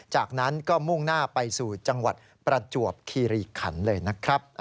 จากนั้นก็มุ่งหน้าไปสู่จังหวัดประจวบคีรีขันเลยนะครับ